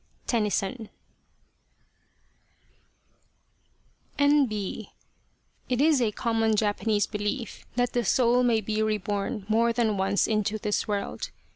TENNYSON N.B. It is a common Japanese belief that the soul may be re born more than once into this world.